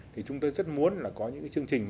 thì chúng tôi rất muốn là có những cái chương trình